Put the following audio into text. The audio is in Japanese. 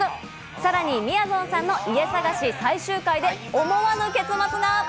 さらにみやぞんさんの家探し、最終回で思わぬ結末が。